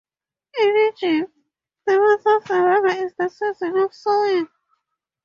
In Egypt, the month of November is the season of sowing.